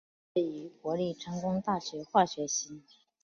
毕业于国立成功大学化学系。